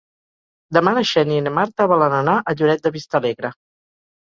Demà na Xènia i na Marta volen anar a Lloret de Vistalegre.